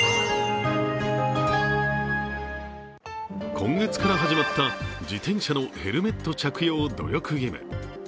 今月から始まった自転車のヘルメット着用努力義務。